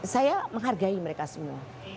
saya menghargai mereka semua